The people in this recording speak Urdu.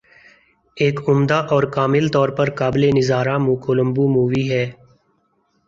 ایک عمدہ اور کامل طور پر قابل نظارہ کولمبو مووی ہے